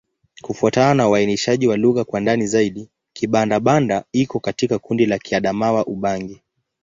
Kufuatana na uainishaji wa lugha kwa ndani zaidi, Kibanda-Banda iko katika kundi la Kiadamawa-Ubangi.